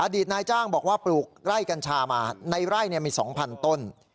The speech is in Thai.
ตนายจ้างบอกว่าปลูกไร่กัญชามาในไร่มี๒๐๐ต้น